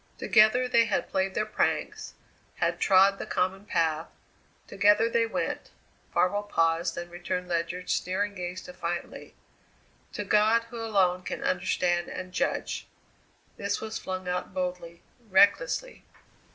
Together they had played their pranks, had trod the common path; together they went Farwell paused, then returned Ledyard's sneering gaze defiantly, "To God who alone can understand and judge!" This was flung out boldly, recklessly.